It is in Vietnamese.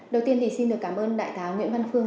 đầu tiên thì xin được cảm ơn đại tá nguyễn văn phương